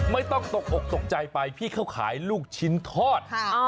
ไม่ต้องตกอกตกใจไปพี่เขาขายลูกชิ้นทอด